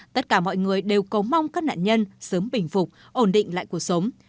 tất cả mọi người đều cầu mong các nạn nhân sớm bình phục ổn định lại cuộc sống